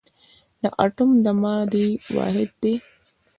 اتوم د مادې واحد دی